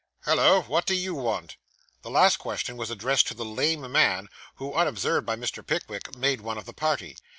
Hallo, what do you want?' This last question was addressed to the lame man, who, unobserved by Mr. Pickwick, made one of the party.